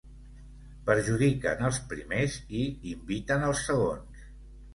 Perjudiquen els primers i inviten els segons.